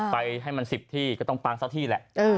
ไปให้มัน๑๐ที่ก็ต้องปังซะที่แหละ